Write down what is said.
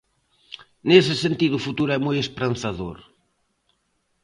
Nese sentido o futuro é moi esperanzador.